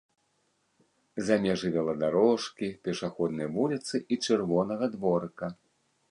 За межы веладарожкі, пешаходнай вуліцы і чырвонага дворыка.